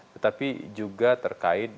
tetapi juga terkait